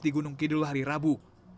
di gunung kidul hari rabu